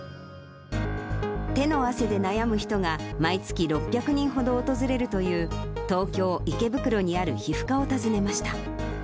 手の汗で悩む人が毎月６００人ほど訪れるという、東京・池袋にある皮膚科を訪ねました。